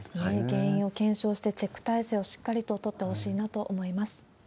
原因を検証して、チェック体制をしっかりと取ってほしいなと思います。